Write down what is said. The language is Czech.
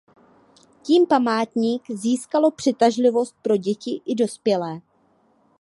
Tím Památník získalo přitažlivost pro děti i dospělé.